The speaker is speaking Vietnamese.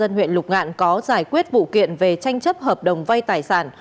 tnh huyện lục ngạn có giải quyết vụ kiện về tranh chấp hợp đồng vay tài sản